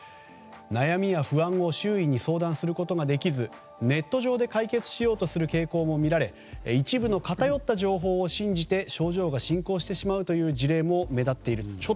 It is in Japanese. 悩みや不安を周囲に相談することができずネット上で解決しようとする傾向も見られ一部の偏った情報を信じて症状が進行してしまうという事例も目立っているんです。